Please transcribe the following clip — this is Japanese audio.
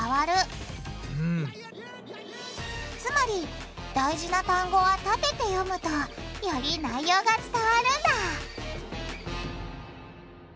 つまり大事な単語はたてて読むとより内容が伝わるんだ！